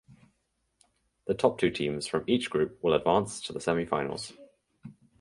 The top two teams from each group will advance to the semifinals.